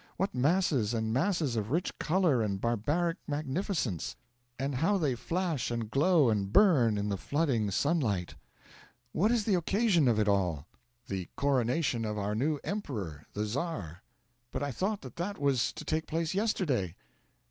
What masses and masses of rich colour and barbaric magnificence! And how they flash and glow and burn in the flooding sunlight! What is the occasion of it all?' 'The coronation of our new emperor the Czar.' 'But I thought that that was to take place yesterday.'